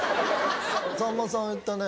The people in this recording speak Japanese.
さんまさん言ったね